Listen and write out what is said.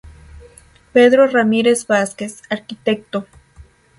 Pedro Ramírez Vázquez, Arq.